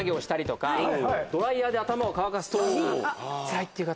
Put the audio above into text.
つらいっていう方。